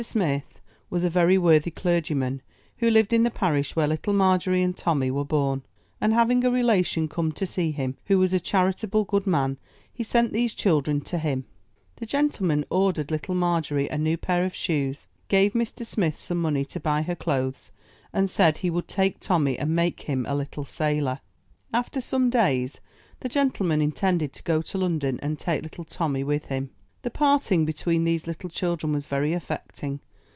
Smith was a very worthy clergyman, who lived in the parish where Little Margery and Tommy were born; and having a relation come to see him, who was a charitable, good man, he sent these children to him. The gentlemen ordered Little Margery a new pair of shoes, gave Mr. Smith some money to buy her clothes, and said he would take Tommy and make him a little sailor. 133 MY BOOK HOUSE After some days the gentleman intended to go to London, and take little Tommy with him. The parting between these little children was very affecting.